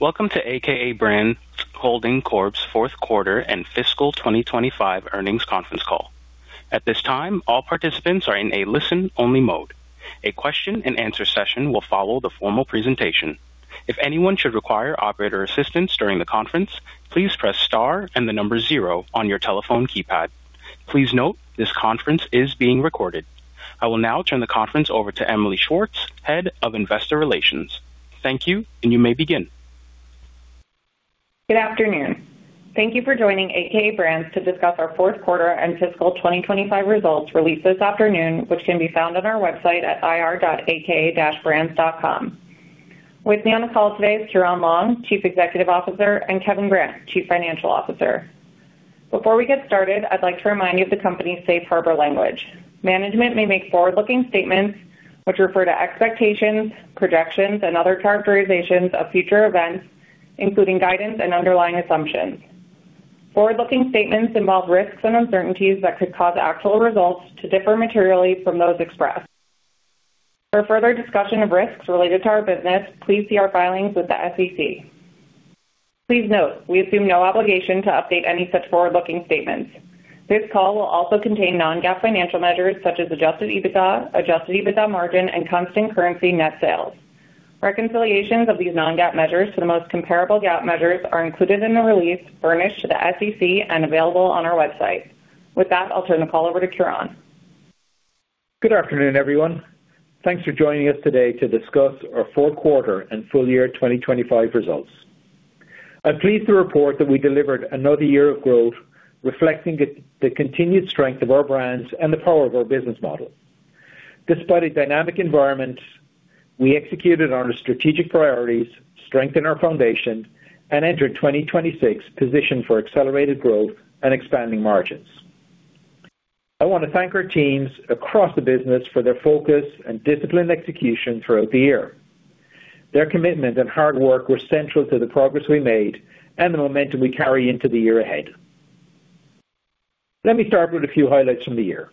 Welcome to a.k.a. Brands Holding Corp.'s Fourth Quarter and Fiscal 2025 Earnings Conference Call. At this time, all participants are in a listen-only mode. A question-and-answer session will follow the formal presentation. If anyone should require operator assistance during the conference, please press star and the number zero on your telephone keypad. Please note, this conference is being recorded. I will now turn the conference over to Emily Schwartz, Head of Investor Relations. Thank you, and you may begin. Good afternoon. Thank you for joining a.k.a. Brands to discuss our fourth quarter and fiscal 2025 results released this afternoon, which can be found on our website at ir.aka-brands.com. With me on the call today is Ciaran Long, Chief Executive Officer, and Kevin Grant, Chief Financial Officer. Before we get started, I'd like to remind you of the company's Safe Harbor language. Management may make forward-looking statements which refer to expectations, projections, and other characterizations of future events, including guidance and underlying assumptions. Forward-looking statements involve risks and uncertainties that could cause actual results to differ materially from those expressed. For further discussion of risks related to our business, please see our filings with the SEC. Please note, we assume no obligation to update any such forward-looking statements. This call will also contain non-GAAP financial measures such as adjusted EBITDA, adjusted EBITDA margin, and constant currency net sales. Reconciliations of these non-GAAP measures to the most comparable GAAP measures are included in the release furnished to the SEC and available on our website. With that, I'll turn the call over to Ciaran. Good afternoon, everyone. Thanks for joining us today to discuss our Fourth Quarter and Full Year 2025 Results. I'm pleased to report that we delivered another year of growth, reflecting the continued strength of our brands and the power of our business model. Despite a dynamic environment, we executed on our strategic priorities, strengthened our foundation, and entered 2026 positioned for accelerated growth and expanding margins. I wanna thank our teams across the business for their focus and disciplined execution throughout the year. Their commitment and hard work were central to the progress we made and the momentum we carry into the year ahead. Let me start with a few highlights from the year.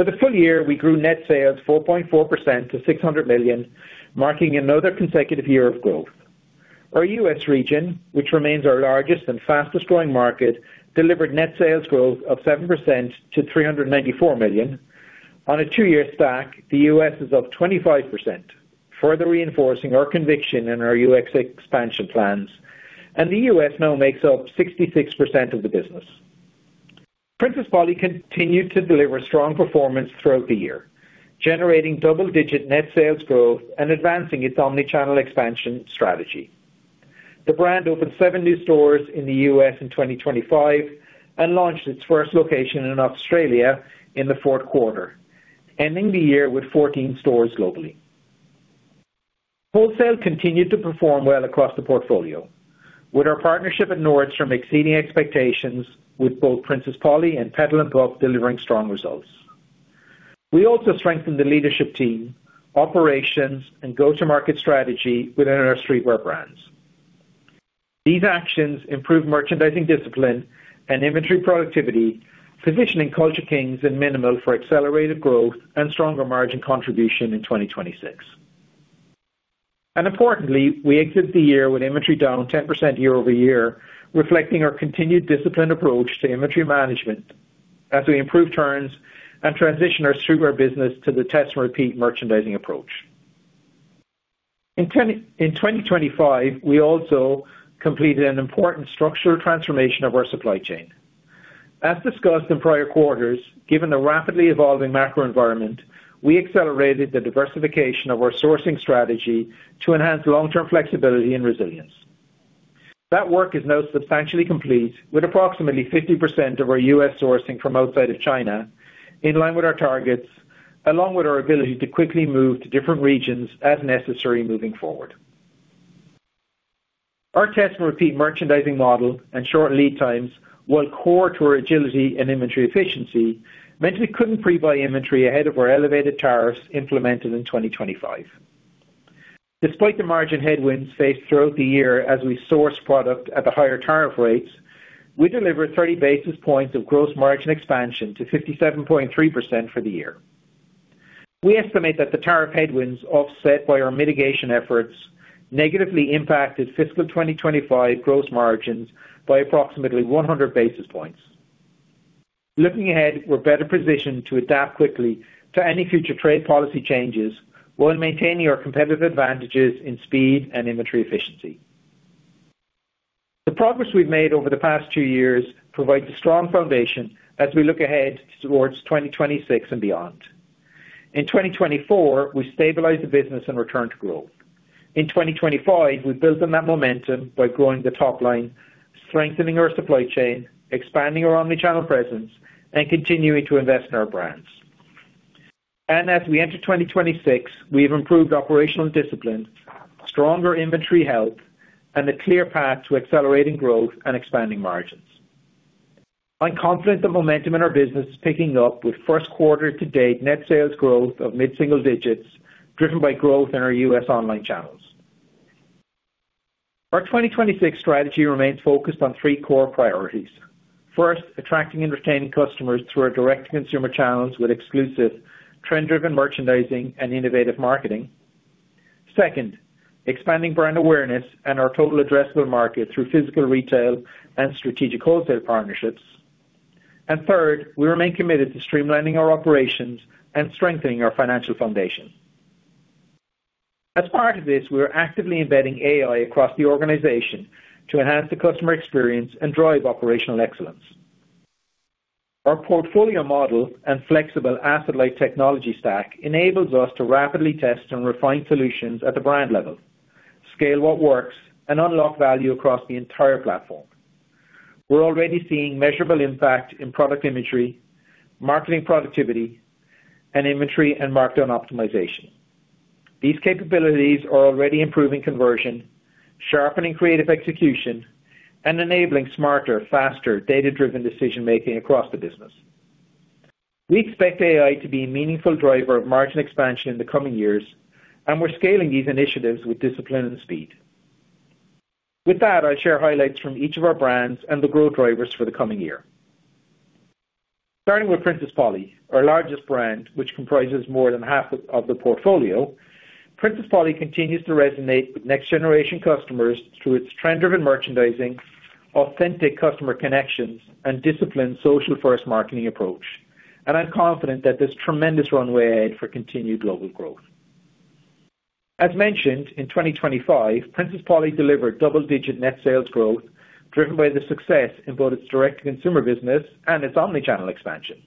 For the full year, we grew net sales 4.4% to $600 million, marking another consecutive year of growth. Our U.S. region, which remains our largest and fastest growing market, delivered net sales growth of 7% to $394 million. On a two-year stack, the U.S. is up 25%, further reinforcing our conviction in our U.S. expansion plans. The U.S. now makes up 66% of the business. Princess Polly continued to deliver strong performance throughout the year, generating double-digit net sales growth and advancing its omni-channel expansion strategy. The brand opened seven new stores in the U.S. in 2025 and launched its first location in Australia in the fourth quarter, ending the year with 14 stores globally. Wholesale continued to perform well across the portfolio, with our partnership at Nordstrom exceeding expectations with both Princess Polly, and Petal and Pup delivering strong results. We also strengthened the leadership team, operations, and go-to-market strategy within our streetwear brands. These actions improved merchandising discipline and inventory productivity, positioning Culture Kings and mnml for accelerated growth and stronger margin contribution in 2026. Importantly, we exit the year with inventory down 10% year-over-year, reflecting our continued disciplined approach to inventory management as we improve turns and transition our streetwear business to the test and repeat merchandising approach. In 2025, we also completed an important structural transformation of our supply chain. As discussed in prior quarters, given the rapidly evolving macro environment, we accelerated the diversification of our sourcing strategy to enhance long-term flexibility and resilience. That work is now substantially complete, with approximately 50% of our U.S. sourcing from outside of China, in line with our targets, along with our ability to quickly move to different regions as necessary moving forward. Our test and repeat merchandising model and short lead times, while core to our agility and inventory efficiency, meant we couldn't pre-buy inventory ahead of our elevated tariffs implemented in 2025. Despite the margin headwinds faced throughout the year as we source product at the higher tariff rates, we delivered 30 basis points of gross margin expansion to 57.3% for the year. We estimate that the tariff headwinds offset by our mitigation efforts negatively impacted fiscal 2025 gross margins by approximately 100 basis points. Looking ahead, we're better positioned to adapt quickly to any future trade policy changes while maintaining our competitive advantages in speed and inventory efficiency. The progress we've made over the past two years provides a strong foundation as we look ahead towards 2026 and beyond. In 2024, we stabilized the business and returned to growth. In 2025, we built on that momentum by growing the top line, strengthening our supply chain, expanding our omnichannel presence, and continuing to invest in our brands. As we enter 2026, we have improved operational discipline, stronger inventory health, and a clear path to accelerating growth and expanding margins. I'm confident the momentum in our business is picking up with first quarter to date net sales growth of mid-single digits driven by growth in our U.S. online channels. Our 2026 strategy remains focused on three core priorities. First, attracting and retaining customers through our direct consumer channels with exclusive trend-driven merchandising and innovative marketing. Second, expanding brand awareness and our total addressable market through physical retail and strategic wholesale partnerships. Third, we remain committed to streamlining our operations and strengthening our financial foundation. As part of this, we are actively embedding AI across the organization to enhance the customer experience and drive operational excellence. Our portfolio model and flexible asset-light technology stack enables us to rapidly test and refine solutions at the brand level, scale what works, and unlock value across the entire platform. We're already seeing measurable impact in product imagery, marketing productivity, and inventory and markdown optimization. These capabilities are already improving conversion, sharpening creative execution, and enabling smarter, faster data-driven decision-making across the business. We expect AI to be a meaningful driver of margin expansion in the coming years, and we're scaling these initiatives with discipline and speed. With that, I'll share highlights from each of our brands and the growth drivers for the coming year. Starting with Princess Polly, our largest brand, which comprises more than half of the portfolio. Princess Polly continues to resonate with next generation customers through its trend-driven merchandising, authentic customer connections, and disciplined social-first marketing approach. I'm confident that there's tremendous runway ahead for continued global growth. As mentioned, in 2025, Princess Polly delivered double-digit net sales growth, driven by the success in both its direct consumer business and its omnichannel expansion.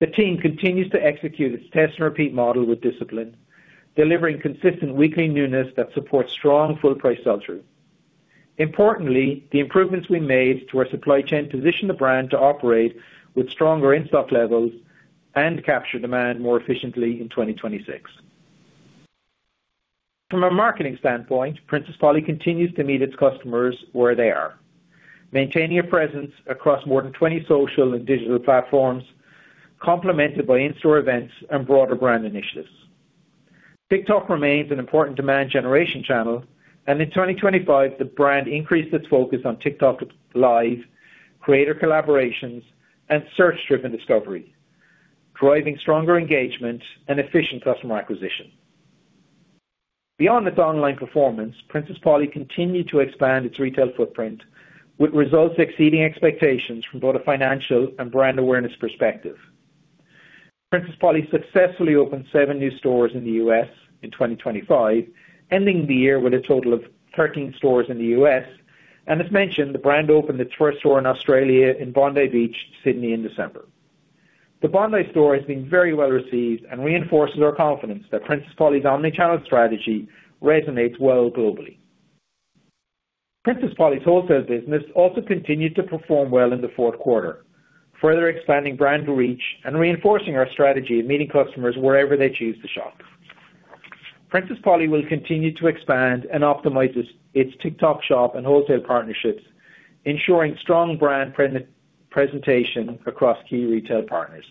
The team continues to execute its test and repeat model with discipline, delivering consistent weekly newness that supports strong full price sell-through. Importantly, the improvements we made to our supply chain position the brand to operate with stronger in-stock levels and capture demand more efficiently in 2026. From a marketing standpoint, Princess Polly continues to meet its customers where they are, maintaining a presence across more than 20 social and digital platforms, complemented by in-store events and broader brand initiatives. TikTok remains an important demand generation channel, and in 2025, the brand increased its focus on TikTok LIVE, creator collaborations, and search-driven discovery, driving stronger engagement and efficient customer acquisition. Beyond its online performance, Princess Polly continued to expand its retail footprint, with results exceeding expectations from both a financial and brand awareness perspective. Princess Polly successfully opened seven new stores in the U.S. in 2025, ending the year with a total of 13 stores in the U.S. As mentioned, the brand opened its first store in Australia in Bondi Beach, Sydney in December. The Bondi store has been very well received and reinforces our confidence that Princess Polly's omnichannel strategy resonates well globally. Princess Polly's wholesale business also continued to perform well in the fourth quarter, further expanding brand reach and reinforcing our strategy of meeting customers wherever they choose to shop. Princess Polly will continue to expand and optimize its TikTok shop and wholesale partnerships, ensuring strong brand presentation across key retail partners.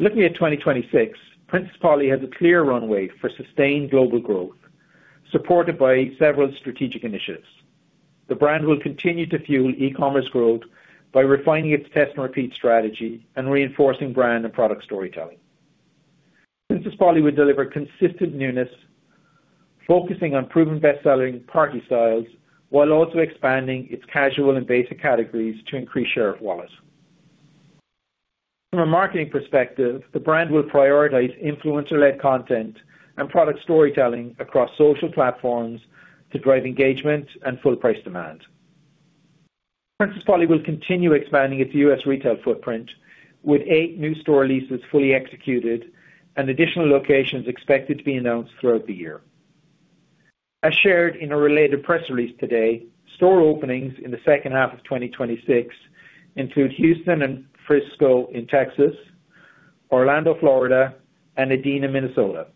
Looking at 2026, Princess Polly has a clear runway for sustained global growth, supported by several strategic initiatives. The brand will continue to fuel e-commerce growth by refining its test and repeat strategy and reinforcing brand and product storytelling. Princess Polly will deliver consistent newness, focusing on proven best-selling party styles, while also expanding its casual and basic categories to increase share of wallet. From a marketing perspective, the brand will prioritize influencer-led content and product storytelling across social platforms to drive engagement and full price demand. Princess Polly will continue expanding its U.S. retail footprint with eight new store leases fully executed and additional locations expected to be announced throughout the year. As shared in a related press release today, store openings in the second half of 2026 include Houston and Frisco in Texas, Orlando, Florida, and Edina, Minnesota.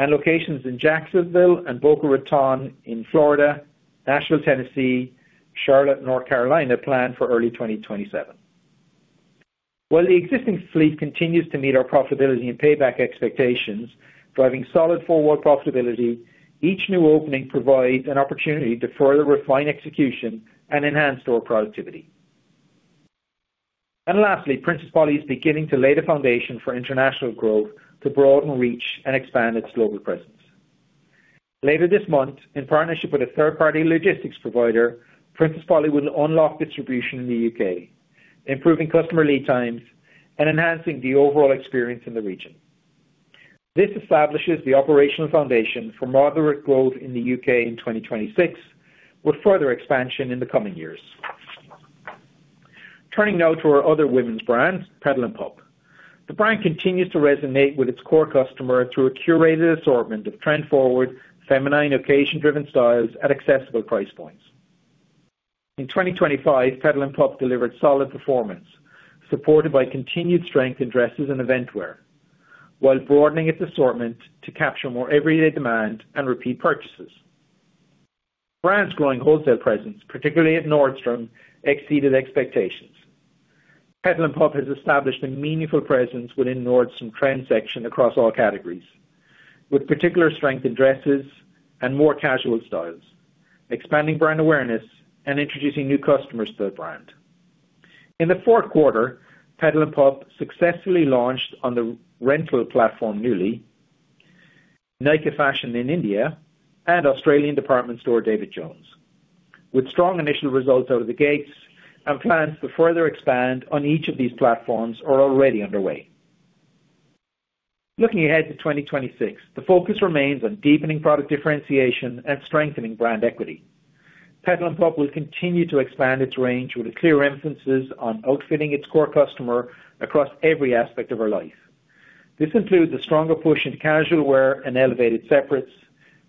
Locations in Jacksonville and Boca Raton in Florida, Nashville, Tennessee, Charlotte, North Carolina, planned for early 2027. While the existing fleet continues to meet our profitability and payback expectations, driving solid forward profitability, each new opening provides an opportunity to further refine execution and enhance store productivity. Lastly, Princess Polly is beginning to lay the foundation for international growth to broaden reach and expand its global presence. Later this month, in partnership with a third-party logistics provider, Princess Polly will unlock distribution in the U.K., improving customer lead times and enhancing the overall experience in the region. This establishes the operational foundation for moderate growth in the U.K. in 2026, with further expansion in the coming years. Turning now to our other women's brand, Petal and Pup. The brand continues to resonate with its core customer through a curated assortment of trend-forward, feminine, occasion-driven styles at accessible price points. In 2025, Petal and Pup delivered solid performance, supported by continued strength in dresses and event wear, while broadening its assortment to capture more everyday demand and repeat purchases. Brand's growing wholesale presence, particularly at Nordstrom, exceeded expectations. Petal and Pup has established a meaningful presence within Nordstrom transaction across all categories, with particular strength in dresses and more casual styles, expanding brand awareness and introducing new customers to the brand. In the fourth quarter, Petal and Pup successfully launched on the rental platform Nuuly, Nykaa Fashion in India and Australian department store, David Jones. With strong initial results out of the gates and plans to further expand on each of these platforms are already underway. Looking ahead to 2026, the focus remains on deepening product differentiation and strengthening brand equity. Petal and Pup will continue to expand its range with a clear emphasis on outfitting its core customer across every aspect of her life. This includes a stronger push into casual wear and elevated separates,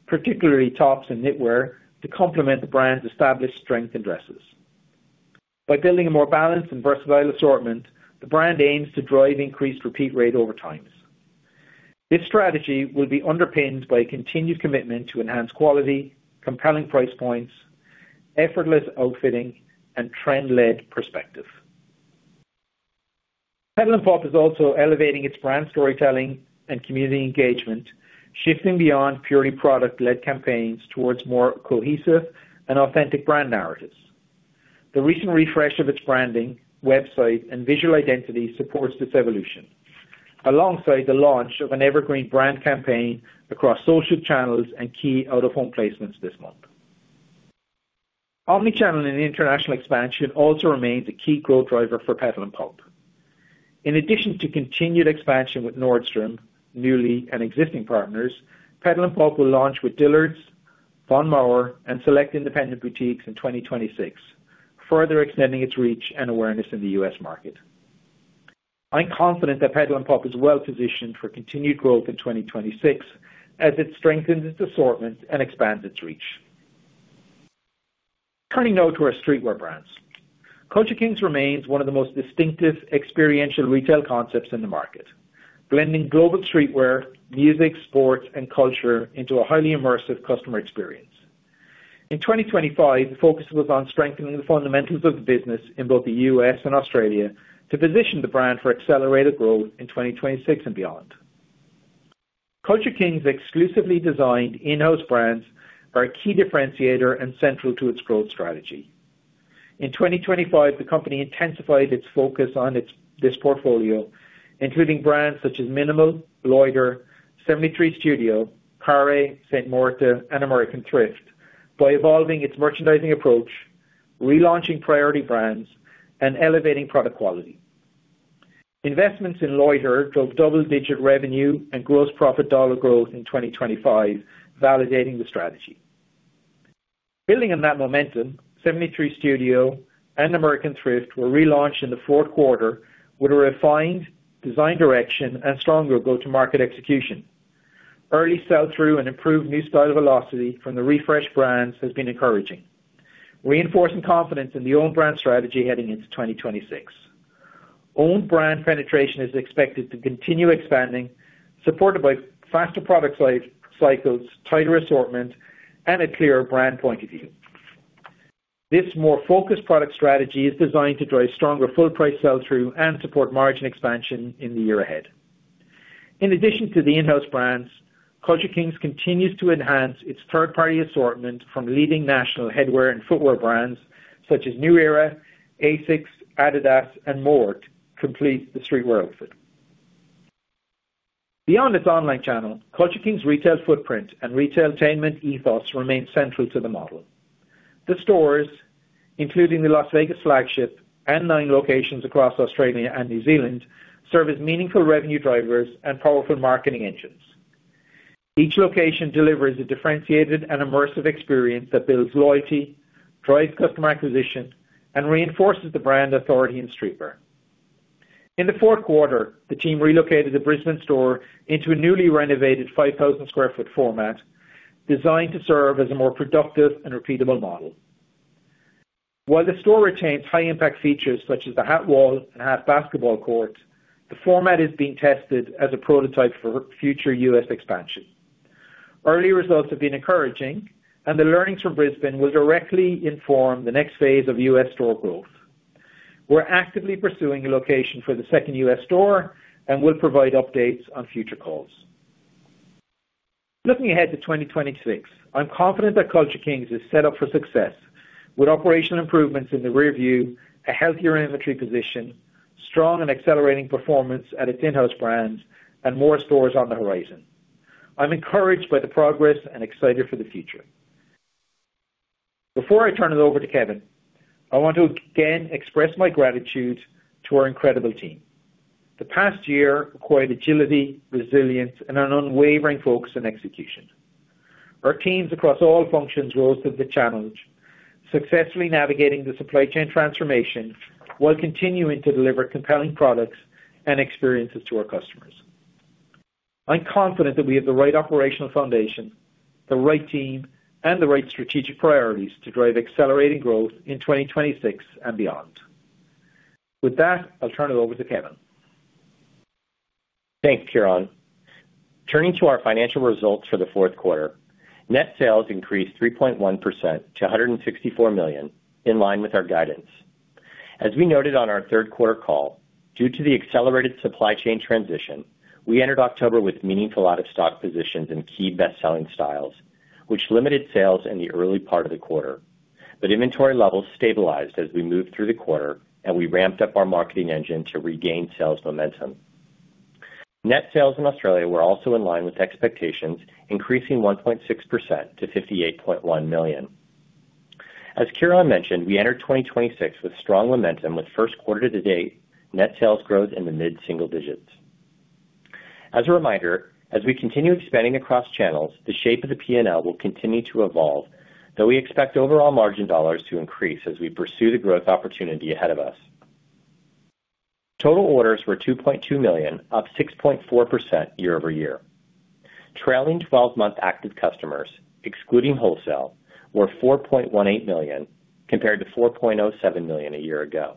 particularly tops and knitwear, to complement the brand's established strength in dresses. By building a more balanced and versatile assortment, the brand aims to drive increased repeat rate over time. This strategy will be underpinned by a continued commitment to enhance quality, compelling price points, effortless outfitting, and trend-led perspective. Petal and Pup is also elevating its brand storytelling and community engagement, shifting beyond purely product-led campaigns towards more cohesive and authentic brand narratives. The recent refresh of its branding, website, and visual identity supports this evolution. Alongside the launch of an evergreen brand campaign across social channels and key out-of-home placements this month. Omnichannel and international expansion also remains a key growth driver for Petal and Pup. In addition to continued expansion with Nordstrom, Nuuly and existing partners, Petal and Pup will launch with Dillard's, Von Maur, and select independent boutiques in 2026, further extending its reach and awareness in the U.S. market. I'm confident that Petal and Pup is well-positioned for continued growth in 2026 as it strengthens its assortment and expands its reach. Turning now to our streetwear brands. Culture Kings remains one of the most distinctive experiential retail concepts in the market, blending global streetwear, music, sports, and culture into a highly immersive customer experience. In 2025, the focus was on strengthening the fundamentals of the business in both the U.S. and Australia to position the brand for accelerated growth in 2026 and beyond. Culture Kings exclusively designed in-house brands are a key differentiator and central to its growth strategy. In 2025, the company intensified its focus on this portfolio, including brands such as mnml, Loiter, 73Studio, Carré, Saint Morta, and American Thrift, by evolving its merchandising approach, relaunching priority brands, and elevating product quality. Investments in Loiter drove double-digit revenue and gross profit dollar growth in 2025, validating the strategy. Building on that momentum, 73Studio and American Thrift were relaunched in the fourth quarter with a refined design direction and stronger go-to-market execution. Early sell-through and improved new style velocity from the refreshed brands has been encouraging, reinforcing confidence in the own brand strategy heading into 2026. Own brand penetration is expected to continue expanding, supported by faster product cycles, tighter assortment, and a clear brand point of view. This more focused product strategy is designed to drive stronger full price sell-through and support margin expansion in the year ahead. In addition to the in-house brands, Culture Kings continues to enhance its third-party assortment from leading national headwear and footwear brands such as New Era, ASICS, Adidas, and more to complete the streetwear outfit. Beyond its online channel, Culture Kings' retail footprint and retail-tainment ethos remain central to the model. The stores, including the Las Vegas flagship and nine locations across Australia and New Zealand, serve as meaningful revenue drivers and powerful marketing engines. Each location delivers a differentiated and immersive experience that builds loyalty, drives customer acquisition, and reinforces the brand authority in streetwear. In the fourth quarter, the team relocated the Brisbane store into a newly renovated 5,000 sq ft format designed to serve as a more productive and repeatable model. While the store retains high impact features such as the hat wall and half basketball court, the format is being tested as a prototype for future U.S. expansion. Early results have been encouraging, and the learnings from Brisbane will directly inform the next phase of U.S. store growth. We're actively pursuing a location for the second U.S. store, and we'll provide updates on future calls. Looking ahead to 2026, I'm confident that Culture Kings is set up for success. With operational improvements in the rearview, a healthier inventory position, strong and accelerating performance at its in-house brands, and more stores on the horizon. I'm encouraged by the progress and excited for the future. Before I turn it over to Kevin, I want to again express my gratitude to our incredible team. The past year required agility, resilience, and an unwavering focus on execution. Our teams across all functions rose to the challenge, successfully navigating the supply chain transformation while continuing to deliver compelling products and experiences to our customers. I'm confident that we have the right operational foundation, the right team, and the right strategic priorities to drive accelerating growth in 2026 and beyond. With that, I'll turn it over to Kevin. Thanks, Ciaran. Turning to our financial results for the fourth quarter. Net sales increased 3.1% to $164 million, in line with our guidance. As we noted on our third quarter call, due to the accelerated supply chain transition, we entered October with meaningful out-of-stock positions in key best-selling styles, which limited sales in the early part of the quarter. Inventory levels stabilized as we moved through the quarter, and we ramped up our marketing engine to regain sales momentum. Net sales in Australia were also in line with expectations, increasing 1.6% to $58.1 million. As Ciaran mentioned, we entered 2026 with strong momentum, with first quarter-to-date net sales growth in the mid single digits. As a reminder, as we continue expanding across channels, the shape of the P&L will continue to evolve, though we expect overall margin dollars to increase as we pursue the growth opportunity ahead of us. Total orders were 2.2 million, up 6.4% year-over-year. Trailing 12-month active customers, excluding wholesale, were 4.18 million, compared to 4.07 million a year ago,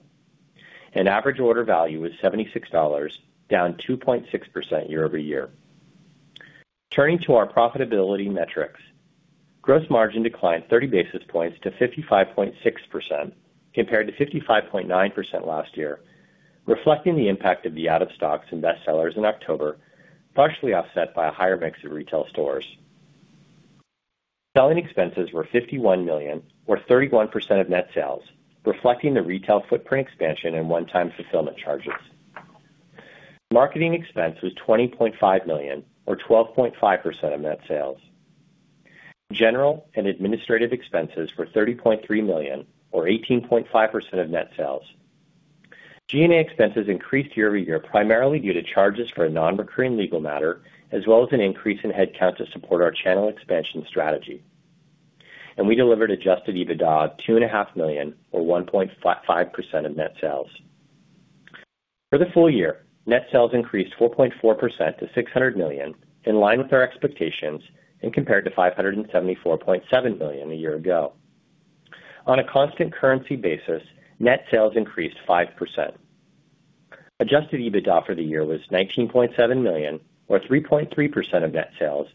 and average order value was $76, down 2.6% year-over-year. Turning to our profitability metrics. Gross margin declined 30 basis points to 55.6% compared to 55.9% last year, reflecting the impact of the out of stocks and best sellers in October, partially offset by a higher mix of retail stores. Selling expenses were $51 million, or 31% of net sales, reflecting the retail footprint expansion and one-time fulfillment charges. Marketing expense was $20.5 million, or 12.5% of net sales. General and administrative expenses were $30.3 million, or 18.5% of net sales. G&A expenses increased year-over-year, primarily due to charges for a non-recurring legal matter, as well as an increase in headcount to support our channel expansion strategy. We delivered adjusted EBITDA of $2.5 million, or 1.5% of net sales. For the full year, net sales increased 4.4% to $600 million, in line with our expectations, and compared to $574.7 million a year ago. On a constant currency basis, net sales increased 5%. Adjusted EBITDA for the year was $19.7 million, or 3.3% of net sales,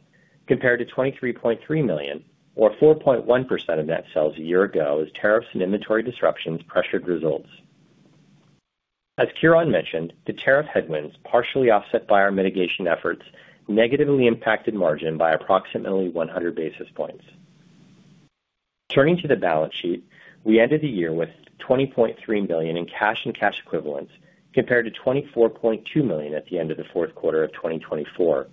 compared to $23.3 million or 4.1% of net sales a year ago, as tariffs and inventory disruptions pressured results. As Ciaran mentioned, the tariff headwinds, partially offset by our mitigation efforts, negatively impacted margin by approximately 100 basis points. Turning to the balance sheet, we ended the year with $20.3 million in cash and cash equivalents, compared to $24.2 million at the end of the fourth quarter of 2024.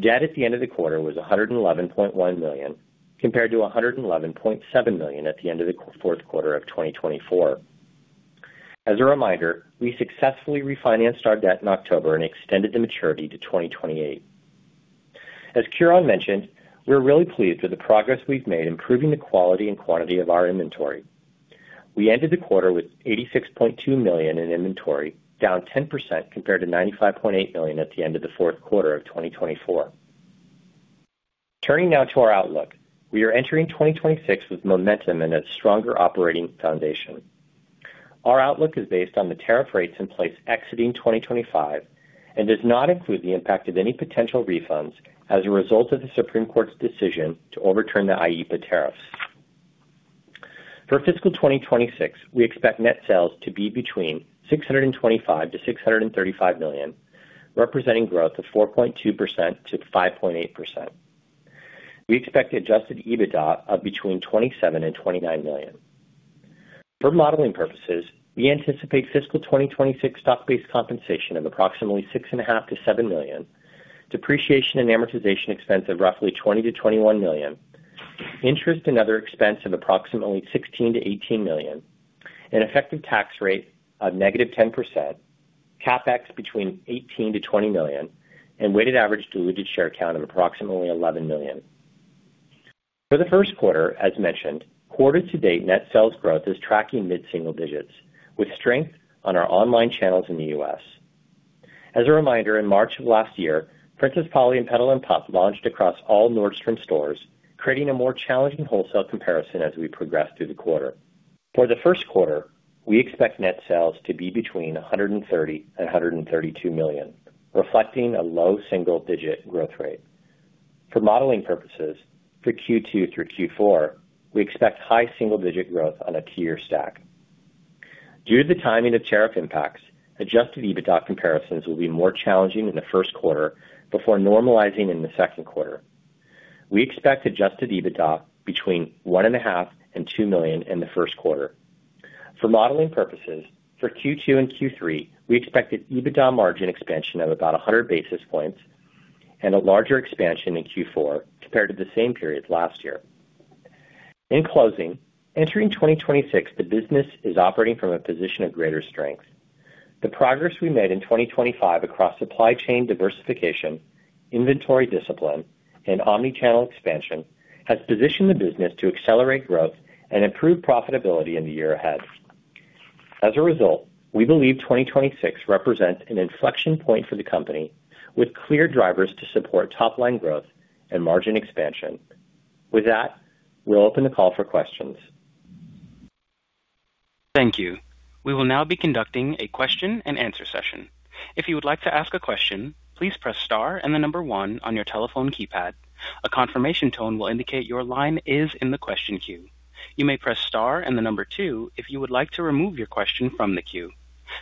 Debt at the end of the quarter was $111.1 million, compared to $111.7 million at the end of the fourth quarter of 2024. As a reminder, we successfully refinanced our debt in October and extended the maturity to 2028. As Ciaran mentioned, we're really pleased with the progress we've made improving the quality and quantity of our inventory. We ended the quarter with $86.2 million in inventory, down 10% compared to $95.8 million at the end of the fourth quarter of 2024. Turning now to our outlook. We are entering 2026 with momentum and a stronger operating foundation. Our outlook is based on the tariff rates in place exiting 2025 and does not include the impact of any potential refunds as a result of the Supreme Court's decision to overturn the IEEPA tariffs. For fiscal 2026, we expect net sales to be between $625 million-$635 million, representing growth of 4.2%-5.8%. We expect adjusted EBITDA of between $27 million and $29 million. For modeling purposes, we anticipate fiscal 2026 stock-based compensation of approximately $6.5 million-$7 million, depreciation and amortization expense of roughly $20 million-$21 million, interest and other expense of approximately $16 million-$18 million, an effective tax rate of -10%, CapEx between $18 million-$20 million, and weighted average diluted share count of approximately $11 million. For the first quarter, as mentioned, quarter-to-date net sales growth is tracking mid single-digits, with strength on our online channels in the U.S. As a reminder, in March of last year, Princess Polly and Petal and Pup launched across all Nordstrom stores, creating a more challenging wholesale comparison as we progress through the quarter. For the first quarter, we expect net sales to be between $130 million and $132 million, reflecting a low single-digit growth rate. For modeling purposes, for Q2 through Q4, we expect high single-digit growth on a two-year stack. Due to the timing of tariff impacts, adjusted EBITDA comparisons will be more challenging in the first quarter before normalizing in the second quarter. We expect adjusted EBITDA between $1.5 million and $2 million in the first quarter. For modeling purposes, for Q2 and Q3, we expect an EBITDA margin expansion of about 100 basis points and a larger expansion in Q4 compared to the same period last year. In closing, entering 2026, the business is operating from a position of greater strength. The progress we made in 2025 across supply chain diversification, inventory discipline, and omnichannel expansion has positioned the business to accelerate growth and improve profitability in the year ahead. As a result, we believe 2026 represents an inflection point for the company with clear drivers to support top line growth and margin expansion. With that, we'll open the call for questions. Thank you. We will now be conducting a question-and-answer session. If you would like to ask a question, please press star and the one on your telephone keypad. A confirmation tone will indicate your line is in the question queue. You may press star and the two if you would like to remove your question from the queue.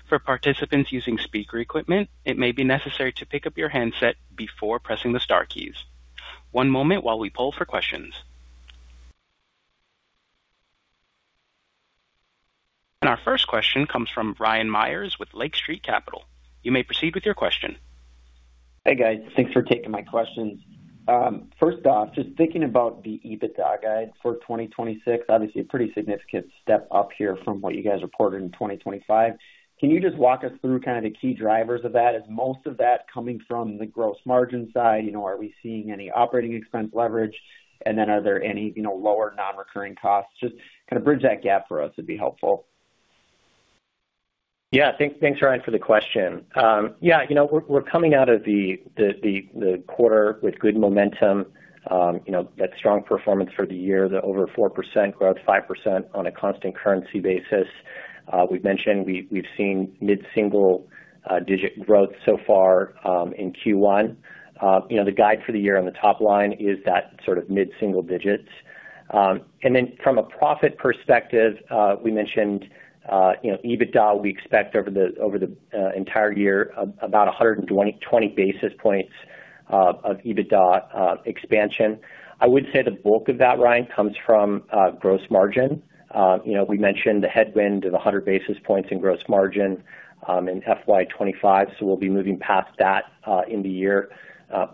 For participants using speaker equipment, it may be necessary to pick up your handset before pressing the star keys. One moment while we poll for questions. Our first question comes from Ryan Meyers with Lake Street Capital. You may proceed with your question. Hey, guys. Thanks for taking my questions. first off, just thinking about the EBITDA guide for 2026. Obviously a pretty significant step up here from what you guys reported in 2025. Can you just walk us through kind of the key drivers of that? Is most of that coming from the gross margin side? You know, are we seeing any operating expense leverage? Then are there any, you know, lower non-recurring costs? Just kind of bridge that gap for us would be helpful. Yeah. Thanks, Ryan, for the question. Yeah, you know, we're coming out of the quarter with good momentum. You know, that strong performance for the year, the over 4% growth, 5% on a constant currency basis. We've mentioned we've seen mid-single digit growth so far in Q1. You know, the guide for the year on the top line is that sort of mid-single digits. Then from a profit perspective, we mentioned, you know, EBITDA, we expect over the entire year about 120 basis points of EBITDA expansion. I would say the bulk of that, Ryan, comes from gross margin. You know, we mentioned the headwind of the 100 basis points in gross margin in FY 2025, so we'll be moving past that in the year.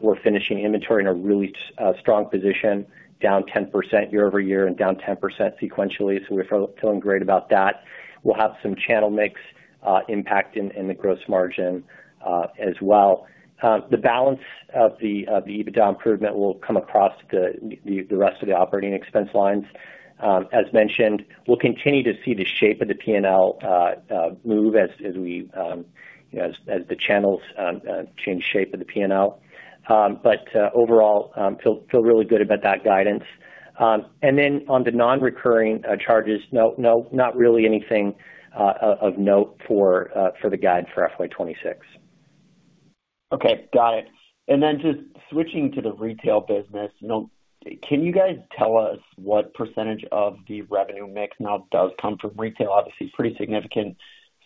We're finishing inventory in a really strong position, down 10% year-over-year and down 10% sequentially. We're feeling great about that. We'll have some channel mix impact in the gross margin as well. The balance of the EBITDA improvement will come across the rest of the operating expense lines. As mentioned, we'll continue to see the shape of the P&L move as we, you know, as the channels change shape of the P&L. Overall, feel really good about that guidance. On the non-recurring charges, no, not really anything of note for the guide for FY 2026. Okay, got it. Just switching to the retail business. You know, can you guys tell us what percentage of the revenue mix now does come from retail? Obviously pretty significant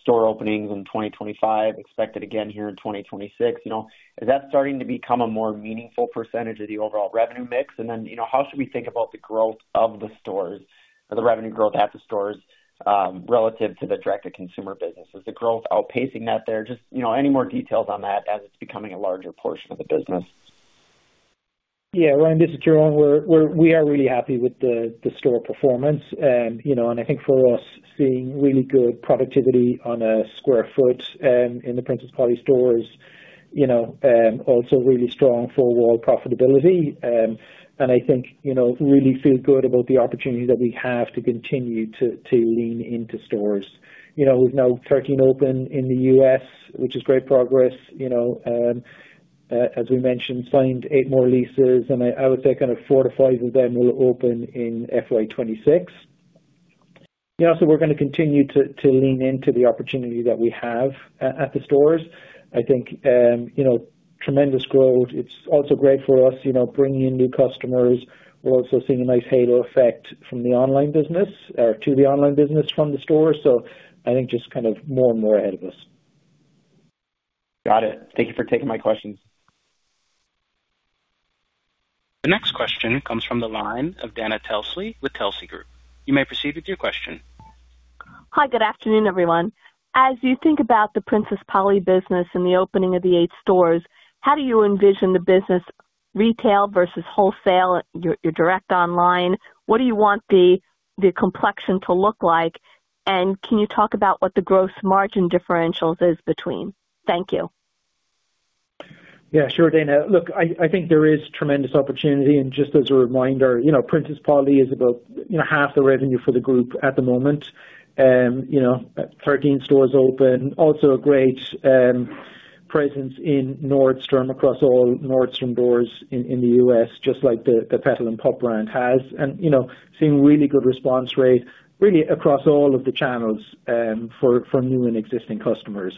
store openings in 2025, expected again here in 2026. You know, is that starting to become a more meaningful percentage of the overall revenue mix? You know, how should we think about the growth of the stores or the revenue growth at the stores, relative to the direct-to-consumer business? Is the growth outpacing that there? Just, you know, any more details on that as it's becoming a larger portion of the business. Yeah. Ryan, this is Ciaran. We are really happy with the store performance. You know, I think for us, seeing really good productivity on a sq ft, in the Princess Polly stores, you know, also really strong four-wall profitability. I think, you know, really feel good about the opportunity that we have to continue to lean into stores. You know, with now 13 open in the U.S., which is great progress. You know, as we mentioned, signed eight more leases, I would say kind of four to five of them will open in FY 2026. You know, we're gonna continue to lean into the opportunity that we have at the stores. I think, you know, tremendous growth. It's also great for us, you know, bringing in new customers. We're also seeing a nice halo effect from the online business or to the online business from the store. I think just kind of more and more ahead of us. Got it. Thank you for taking my questions. The next question comes from the line of Dana Telsey with Telsey Group. You may proceed with your question. Hi, good afternoon, everyone. As you think about the Princess Polly business and the opening of the eight stores, how do you envision the business retail versus wholesale, your direct online? What do you want the complexion to look like? Can you talk about what the gross margin differentials is between? Thank you. Yeah, sure, Dana. Look, I think there is tremendous opportunity. Just as a reminder, you know, Princess Polly is about, you know, half the revenue for the group at the moment. You know, 13 stores open. Also a great presence in Nordstrom across all Nordstrom stores in the U.S., just like the Petal and Pup brand has. You know, seeing really good response rate really across all of the channels for new and existing customers.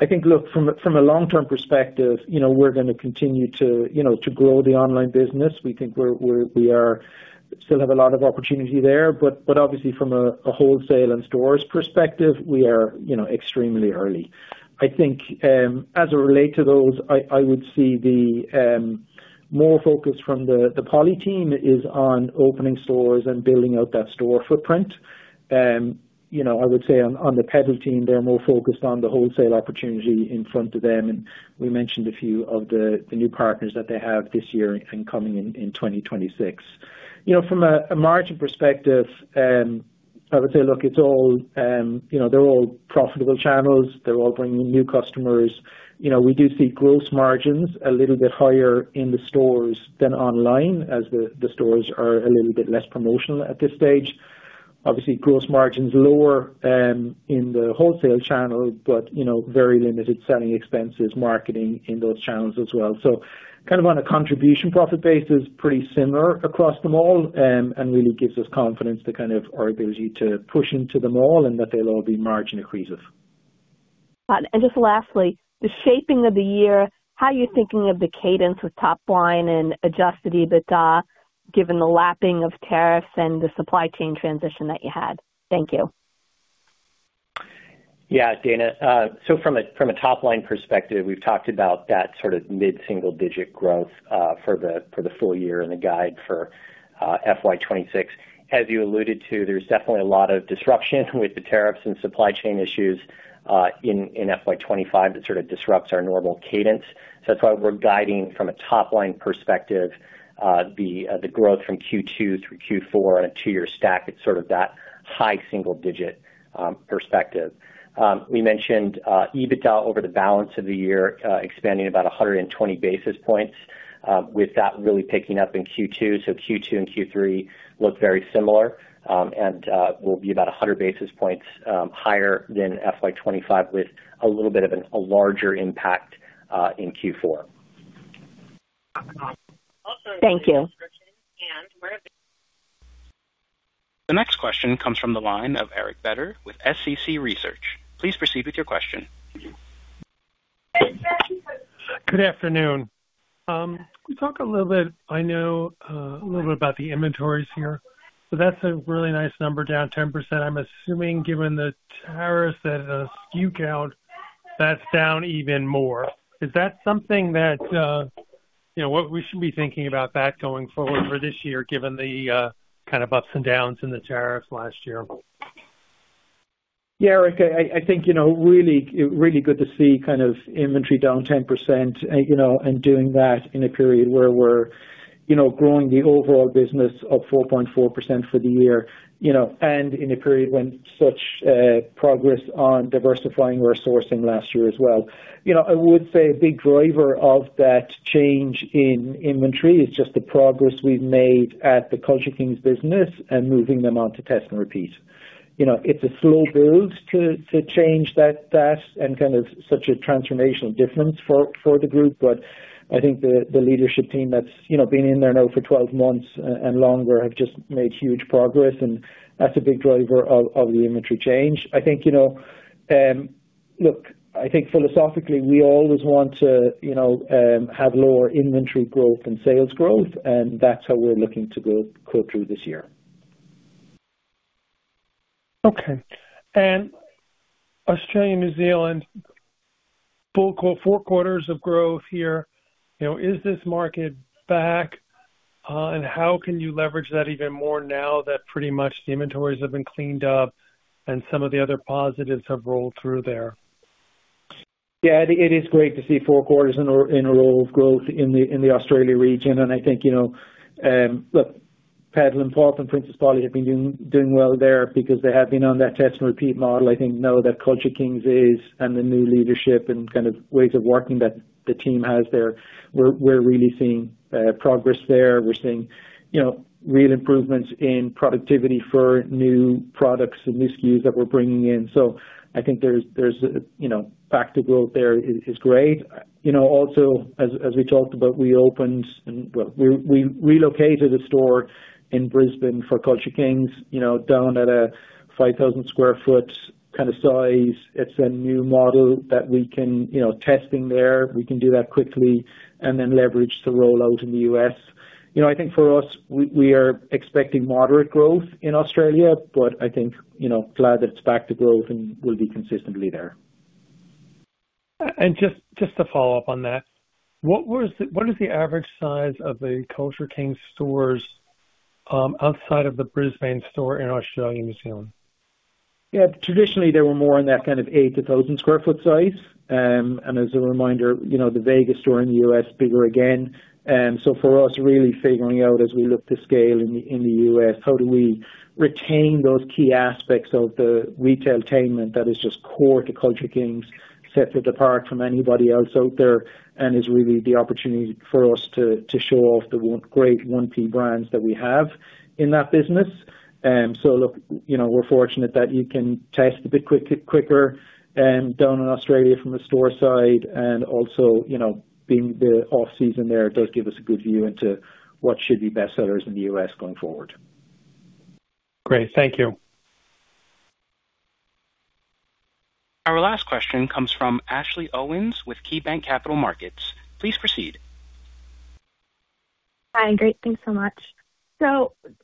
I think, look, from a long-term perspective, you know, we're gonna continue to, you know, to grow the online business. We think we are still have a lot of opportunity there. Obviously from a wholesale and stores perspective, we are, you know, extremely early. I think, as it relate to those, I would see the more focus from the Polly team is on opening stores and building out that store footprint. You know, I would say on the Petal team, they're more focused on the wholesale opportunity in front of them, and we mentioned a few of the new partners that they have this year and coming in 2026. You know, from a margin perspective, I would say, look, it's all, you know, they're all profitable channels. They're all bringing new customers. You know, we do see gross margins a little bit higher in the stores than online as the stores are a little bit less promotional at this stage. Obviously, gross margin's lower in the wholesale channel, but, you know, very limited selling expenses, marketing in those channels as well. Kind of on a contribution profit basis, pretty similar across them all, really gives us confidence to our ability to push into them all and that they'll all be margin accretive. Just lastly, the shaping of the year. How are you thinking of the cadence with top line and adjusted EBITDA, given the lapping of tariffs and the supply chain transition that you had? Thank you. Yeah, Dana. From a top line perspective, we've talked about that sort of mid-single digit growth for the full year and the guide for FY 2026. As you alluded to, there's definitely a lot of disruption with the tariffs and supply chain issues in FY 2025 that sort of disrupts our normal cadence. That's why we're guiding from a top line perspective, the growth from Q2 through Q4 on a two-year stack, it's sort of that high single digit perspective. We mentioned EBITDA over the balance of the year, expanding about 120 basis points with that really picking up in Q2. Q2 and Q3 look very similar, and will be about 100 basis points higher than FY 2025, with a little bit of a larger impact in Q4. Thank you. The next question comes from the line of Eric Beder with SCC Research. Please proceed with your question. Good afternoon. Can you talk a little bit, I know, a little bit about the inventories here, but that's a really nice number, down 10%? I'm assuming given the tariffs that, skew count, that's down even more. Is that something that, you know, what we should be thinking about that going forward for this year, given the, kind of ups and downs in the tariffs last year? Yeah, Eric, I think, you know, really, really good to see kind of inventory down 10%, you know, and doing that in a period where we're, you know, growing the overall business up 4.4% for the year, you know, and in a period when such progress on diversifying our sourcing last year as well. You know, I would say a big driver of that change in inventory is just the progress we've made at the Culture Kings business and moving them onto test and repeat. You know, it's a slow build to change that and kind of such a transformational difference for the group. I think the leadership team that's, you know, been in there now for 12 months and longer have just made huge progress, and that's a big driver of the inventory change. I think, you know, look, I think philosophically, we always want to, you know, have lower inventory growth and sales growth, and that's how we're looking to go through this year. Okay. Australia, New Zealand, full quarter, four quarters of growth here. You know, is this market back? How can you leverage that even more now that pretty much the inventories have been cleaned up and some of the other positives have rolled through there? Yeah. It is great to see four quarters in a row of growth in the Australia region. I think, you know, look, Petal and Pup and Princess Polly have been doing well there because they have been on that test and repeat model. I think now that Culture Kings is and the new leadership and kind of ways of working that the team has there, we're really seeing progress there. We're seeing, you know, real improvements in productivity for new products and new SKUs that we're bringing in. I think there's, you know, back to growth there is great. You know, also as we talked about, we opened and, well, we relocated a store in Brisbane for Culture Kings, you know, down at a 5,000 sq ft kinda size. It's a new model that we can, you know, testing there. We can do that quickly and then leverage the rollout in the U.S. You know, I think for us, we are expecting moderate growth in Australia, but I think, you know, glad that it's back to growth and will be consistently there. Just to follow up on that, what is the average size of the Culture Kings stores outside of the Brisbane store in Australia and New Zealand? Yeah. Traditionally they were more in that kind of 800 sq ft-1,000 sq ft size. As a reminder, you know, the Vegas store in the U.S. is bigger again. For us really figuring out as we look to scale in the U.S., how do we retain those key aspects of the retailtainment that is just core to Culture Kings, sets it apart from anybody else out there, and is really the opportunity for us to show off the great one key brands that we have in that business. Look, you know, we're fortunate that you can test a bit quicker down in Australia from a store side and also, you know, being the off season there, it does give us a good view into what should be best sellers in the U.S. going forward. Great. Thank you. Our last question comes from Ashley Owens with KeyBanc Capital Markets. Please proceed. Hi. Great. Thanks so much.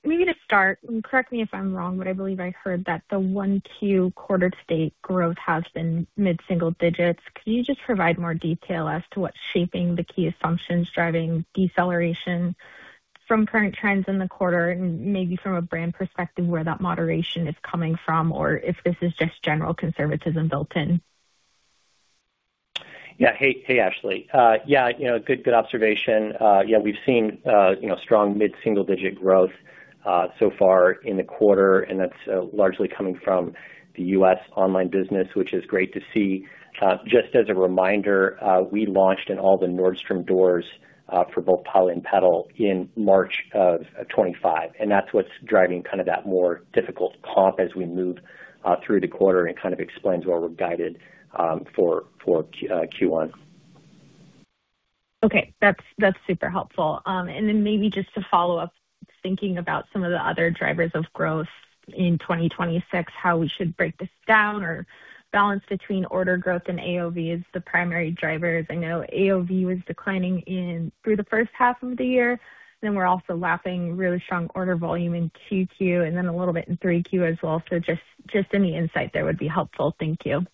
Maybe to start, and correct me if I'm wrong, but I believe I heard that the 1Q quarter-to-date growth has been mid-single digits. Can you just provide more detail as to what's shaping the key assumptions driving deceleration from current trends in the quarter and maybe from a brand perspective, where that moderation is coming from or if this is just general conservatism built in? Yeah. Hey, Ashley. Yeah, you know, good observation. Yeah, we've seen, you know, strong mid-single digit growth so far in the quarter, and that's largely coming from the U.S. online business, which is great to see. Just as a reminder, we launched in all the Nordstrom stores, for both Polly and Pedal in March of 2025, That's what's driving kind of that more difficult comp as we move through the quarter and kind of explains where we're guided for Q1. Okay. That's super helpful. Maybe just to follow up, thinking about some of the other drivers of growth in 2026, how we should break this down or balance between order growth and AOV as the primary drivers. I know AOV was declining in through the first half of the year. We're also lapping really strong order volume in 2Q and then a little bit in 3Q as well. Just any insight there would be helpful. Thank you.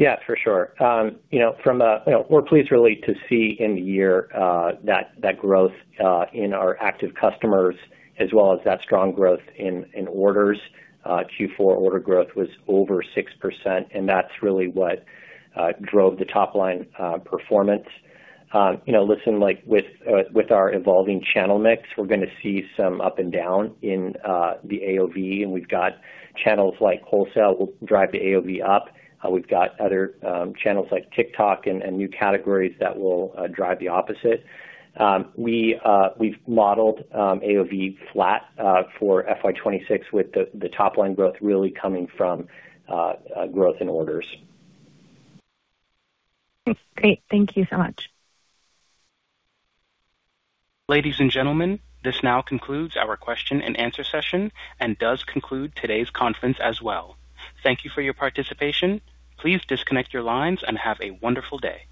Yeah, for sure, you know, from a, you know, we're pleased really to see in the year, that growth in our active customers as well as that strong growth in orders. Q4 order growth was over 6%, that's really what drove the top line performance. you know, listen, like with our evolving channel mix, we're gonna see some up and down in the AOV, we've got channels like wholesale will drive the AOV up. We've got other channels like TikTok and new categories that will drive the opposite. We've modeled AOV flat for FY 2026 with the top line growth really coming from growth in orders. Great. Thank you so much. Ladies and gentlemen, this now concludes our question and answer session and does conclude today's conference as well. Thank you for your participation. Please disconnect your lines and have a wonderful day.